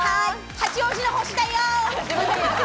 八王子の星だよ！